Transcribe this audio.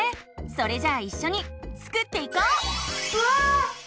それじゃあいっしょにスクっていこう！わ！